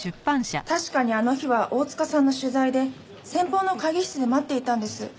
確かにあの日は大塚さんの取材で先方の会議室で待っていたんです。